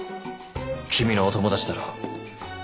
君のお友達だろ。